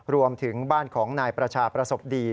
รวมถึงบ้านของนายประชาประสบดี